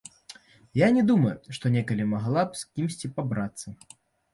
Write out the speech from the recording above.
Я не думаю, што некалі магла б з кімсьці пабрацца.